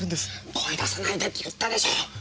声出さないでって言ったでしょ！